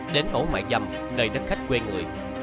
đến ổ mại dầm nơi đất khách quê người